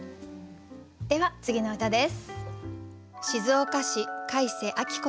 では次の歌です。